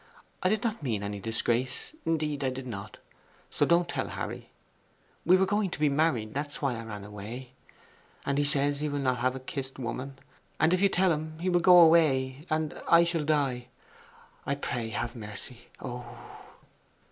I did not mean any disgrace indeed I did not, so don't tell Harry. We were going to be married that was why I ran away....And he says he will not have a kissed woman....And if you tell him he will go away, and I shall die. I pray have mercy Oh!